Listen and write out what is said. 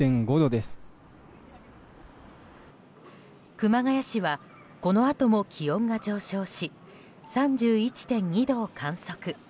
熊谷市はこのあとも気温が上昇し３１．２度を観測。